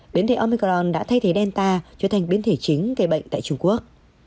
biến thể omicron đã thay thế delta trở thành biến thể chính gây bệnh tại trung quốc